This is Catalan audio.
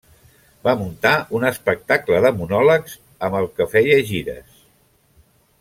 Va muntar un espectacle de monòlegs, amb el que feia gires.